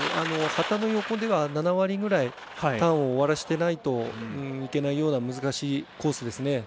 旗の横では７割ぐらいターンを終わらせていないといけないような難しいコースですね。